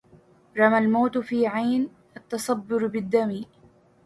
رمى الموت في عين التصبر بالدم